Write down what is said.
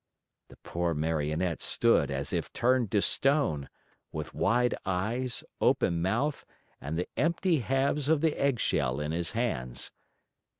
The poor Marionette stood as if turned to stone, with wide eyes, open mouth, and the empty halves of the egg shell in his hands.